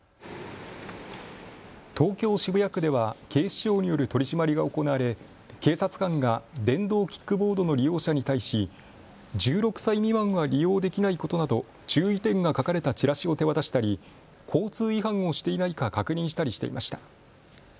東京渋谷区では警視庁による取締りが行われ警察官が電動キックボードの利用者に対し１６歳未満は利用できないことなど注意点が書かれたチラシを手渡したり交通違反をしていないか確認したりしていました。